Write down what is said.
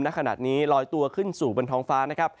นะขนาดนี้ลอยตัวขึ้นสู่บนท้องฟ้า